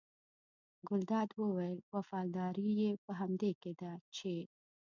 ګلداد وویل وفاداري یې په همدې کې ده چې.